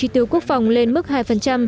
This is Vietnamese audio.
tăng trí tiếu quốc phòng lên mức hai